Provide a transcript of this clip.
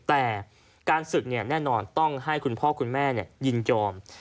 แต่การศึกแน่นอนต้องให้คุณพ่อคุณแม่ยินยอม